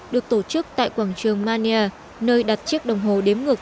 được tổ chức tại quảng trường mania nơi đặt chiếc đồng hồ đếm ngược